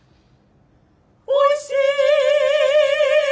おいしい！